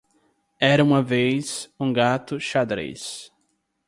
Era uma vez, um gato xadrez.